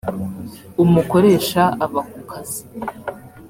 umukoresha aba ku kazi.